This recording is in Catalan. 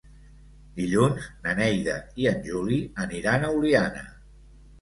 Dilluns na Neida i en Juli aniran a Oliana.